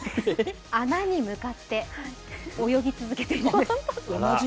穴に向かって泳ぎ続けてます。